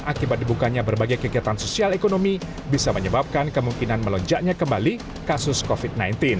akibat dibukanya berbagai kegiatan sosial ekonomi bisa menyebabkan kemungkinan melonjaknya kembali kasus covid sembilan belas